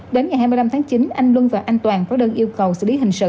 đến ngày hai mươi năm tháng chín anh luân và anh toàn có đơn yêu cầu xử lý hình sự